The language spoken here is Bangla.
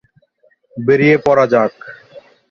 বেড়িয়ে পরা যাক।